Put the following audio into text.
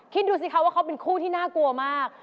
คิดดูสิคะว่าเขาเป็นคู่ที่น่ากลัวมาก